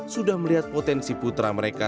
sudah melihat potensi putra mereka